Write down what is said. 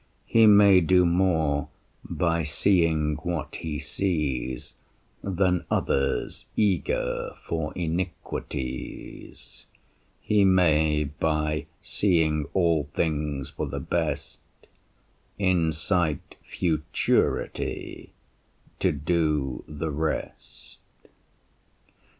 He may do more by seeing what he sees Than others eager for iniquities; He may, by seeing all things for the best, Incite futurity to do the rest.